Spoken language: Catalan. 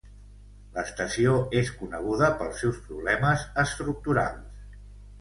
L'estació és coneguda pels seus problemes estructurals.